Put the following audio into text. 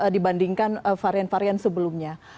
dibandingkan varian varian sebelumnya